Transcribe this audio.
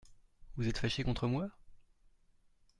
Vous êtes fâché contre moi ?